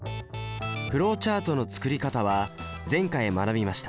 フローチャートの作り方は前回学びました。